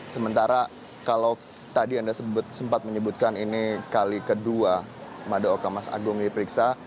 sementara kalau tadi anda sempat menyebutkan ini kali kedua madaoka mas agung diperiksa